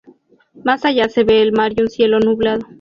Más allá se ve el mar y un cielo nublado.